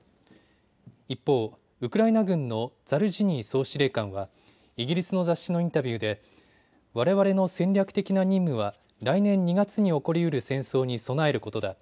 一方、ウクライナ軍のザルジニー総司令官はイギリスの雑誌のインタビューでわれわれの戦略的な任務は来年２月に起こりうる戦争に備えることだ。